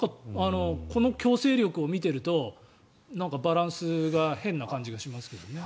この強制力を見ているとバランスが変な感じがしますけどね。